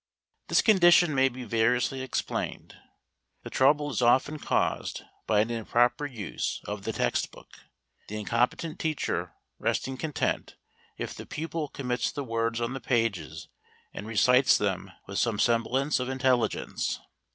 This condition may be variously explained. The trouble is often caused by an improper use of the text book, the incompetent teacher resting content if the pupil commits the words on the pages and recites them with some semblance of intelligence.